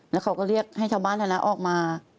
แล้วเขาก็เรียกให้ชาวบ้านแถวนั้นออกมา